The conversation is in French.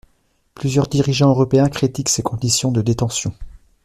Plusieurs dirigeants européens critiquent ses conditions de détention.